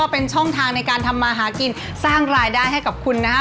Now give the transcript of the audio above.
เป็นช่องทางในการทำมาหากินสร้างรายได้ให้กับคุณนะฮะ